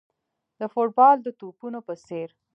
د فوټبال د توپونو په څېر.